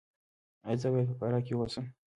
ایا زه باید په فراه کې اوسم؟